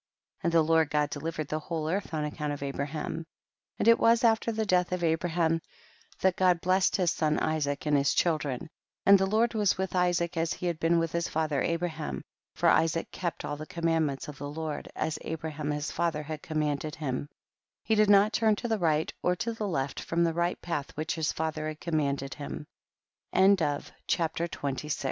38. And the Lord God delivered the whole earth on account of Abra ham. 39. And it was after the death of Abraham that God blessed his son Isaac and his children, and the Lord was with Isaac as he had been with his father Abraham, for Isaac kept all the commandments of the Lord as Abraham his father had command ed him ; he did not turn to the right or to the left fro